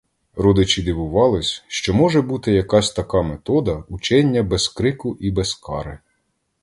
Родичі дивувались, що може бути якась така метода учення без крику і без кари.